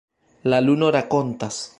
La luno rakontas.